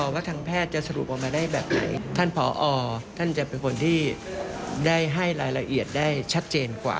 ว่าทางแพทย์จะสรุปออกมาได้แบบไหนท่านผอท่านจะเป็นคนที่ได้ให้รายละเอียดได้ชัดเจนกว่า